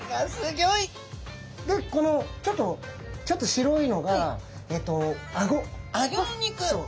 でこのちょっとちょっと白いのがアゴ。